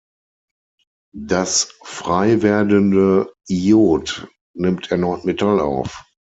Das freiwerdende Iod nimmt erneut Metall auf.